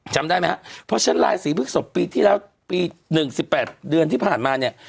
จำได้ไหมครับเพราะฉะนั้นลายศรีพฤกษกปีที่แล้วปี๑๑๘เดือนที่ผ่านมาเนี่ย